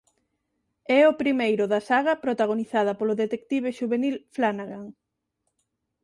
É o primeiro da saga protagonizada polo detective xuvenil Flanagan.